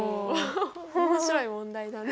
面白い問題だね。